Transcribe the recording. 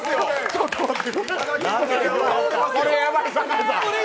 ちょっと待って！